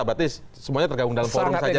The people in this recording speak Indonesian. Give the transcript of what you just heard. berarti semuanya tergabung dalam forum saja